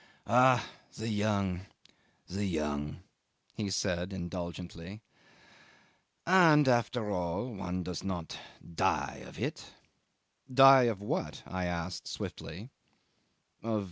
"Ah! The young, the young," he said indulgently. "And after all, one does not die of it." "Die of what?" I asked swiftly.